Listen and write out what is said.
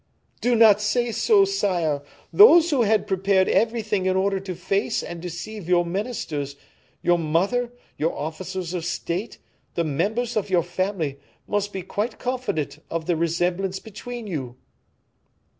"Do not say so, sire; those who had prepared everything in order to face and deceive your ministers, your mother, your officers of state, the members of your family, must be quite confident of the resemblance between you."